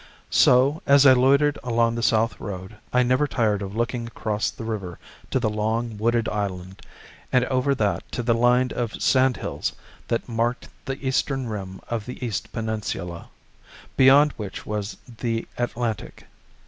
So, as I loitered along the south road, I never tired of looking across the river to the long, wooded island, and over that to the line of sand hills that marked the eastern rim of the East Peninsula, beyond which was the Atlantic.